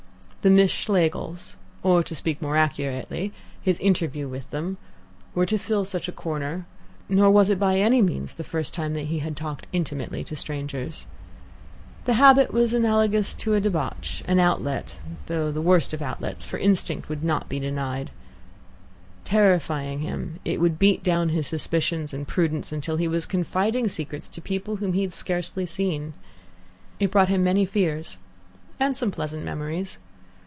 The Miss Schlegels or, to speak more accurately, his interview with them were to fill such a corner, nor was it by any means the first time that he had talked intimately to strangers. The habit was analogous to a debauch, an outlet, though the worst of outlets, for instincts that would not be denied. Terrifying him, it would beat down his suspicions and prudence until he was confiding secrets to people whom he had scarcely seen. It brought him many fears and some pleasant memories.